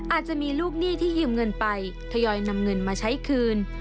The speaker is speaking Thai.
อาจจะมีลูกหนี้ที่ยืมเงินไปทยอยนำเงินมาใช้คืน